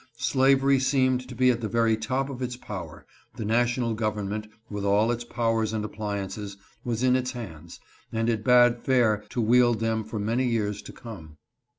Slavery seemed to be at the very top of its power ; the national government, with all its powers and appli ances, was in its hands, and it bade fair to wield them for many years to come.